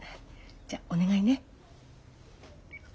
じゃあお願いね。